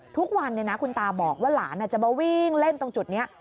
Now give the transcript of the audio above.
ทุกวันคุณตาบอกว่าหลานจะมาวิ่งเล่นตรงจุดนี้